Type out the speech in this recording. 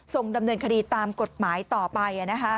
ส่งดำเนินคดีตามกฎหมายต่อไป